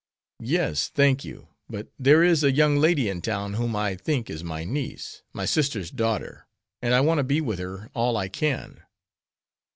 "Yes, thank you; but there is a young lady in town whom I think is my niece, my sister's daughter, and I want to be with her all I can."